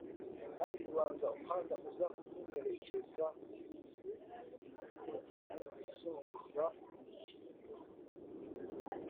Kandi ubanza umuhanda uza kunyerekeza kuri njye nkumugeni uzunguza imikindo